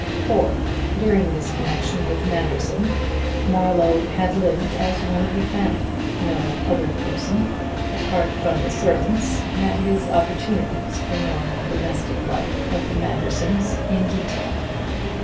(4) During his connection with Manderson, Marlowe had lived as one of the family. No other person, apart from the servants, had his opportunities for knowing the domestic life of the Mandersons in detail.